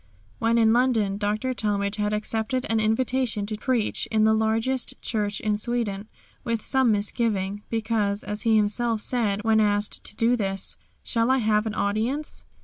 When in London Dr. Talmage had accepted an invitation to preach in the largest church in Sweden, with some misgiving, because, as he himself said when asked to do this, "Shall I have an audience?"